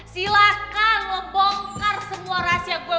silahkan lo bongkar semua rahasia gue